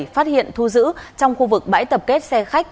phát hiện thu giữ trong khu vực bãi tập kết xe khách